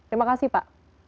terima kasih pak